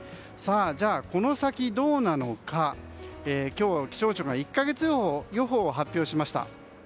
じゃあ、この先どうなのか今日、気象庁が１か月予報を発表しました。